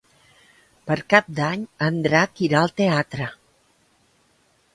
Per Cap d'Any en Drac irà al teatre.